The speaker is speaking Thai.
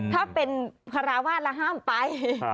ถ้าเป็นคาราวาสแล้วห้ามไป